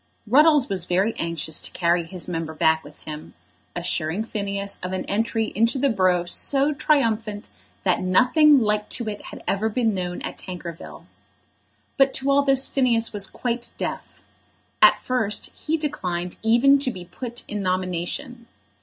Ruddles was very anxious to carry his member back with him, assuring Phineas of an entry into the borough so triumphant that nothing like to it had ever been known at Tankerville. But to all this Phineas was quite deaf. At first he declined even to be put in nomination.